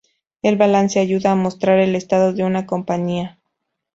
El balance ayuda a mostrar el estado de una compañía.